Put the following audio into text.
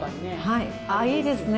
はいああいいですね